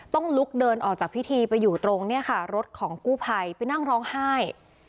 ต้องลุกเดินออกจากพิธีไปอยู่ตรงรถของกู้ไพรไปนั่งร้องไห้